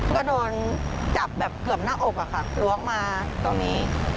ก็โดนจับแบบเกือบหน้าอกอะค่ะล้วงมาตรงนี้